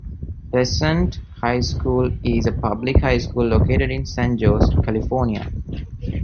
Pleasant High School is a public high school located in San Jose, California.